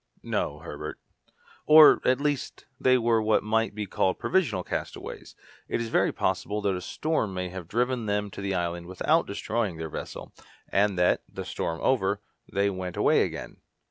"No, Herbert; or, at least, they were what might be called provisional castaways. It is very possible that a storm may have driven them to the island without destroying their vessel, and that, the storm over, they went away again."